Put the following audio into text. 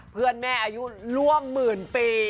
เพื่อนแม่อายุร่วมหมื่นปี